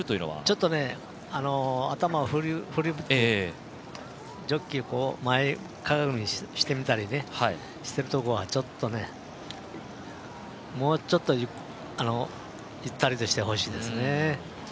ちょっとね、頭を振るジョッキーを前かがみにしてみたりしてるとこが、ちょっとねもうちょっとゆったりとしてほしいですね。